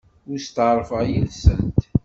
Ur steɛṛfeɣ yes-sent.